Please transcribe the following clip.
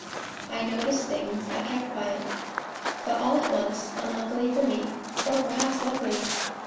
I noticed things, I kept q< but all at once, unluckily for me (or perhaps luckily